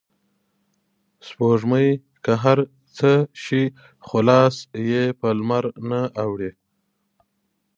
سپوږمۍ که هر څه شي خو لاس یې په لمرنه اوړي